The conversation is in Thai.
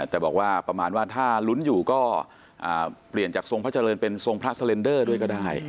แต่บอกว่าประมาณว่าถ้าลุ้นอยู่ก็เปลี่ยนจากทรงพระเจริญเป็นทรงพระสเลนเดอร์ด้วยก็ได้